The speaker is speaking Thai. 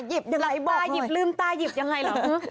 หยิบยังไงบอกหน่อยหลืมตายหยิบยังไงเหรอหือ